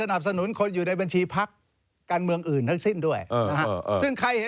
นี่นี่นี่นี่นี่นี่นี่นี่นี่